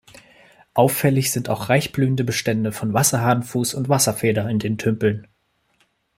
Auffällig sind auch reich blühende Bestände von Wasserhahnenfuß und Wasserfeder in den Tümpeln.